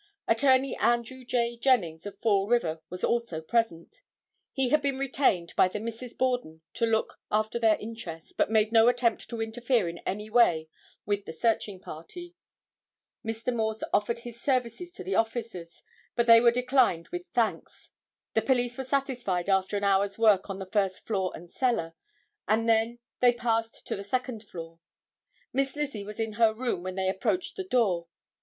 Attorney Andrew J. Jennings of Fall River, was also present. He had been retained by the Misses Borden to look after their interests, but made no attempt to interfere in any way with the searching party. Mr. Morse offered his services to the officers, but they were declined with thanks. The police were satisfied after an hour's work on the first floor and cellar, and then they passed to the second floor. Miss Lizzie was in her room when they approached the door.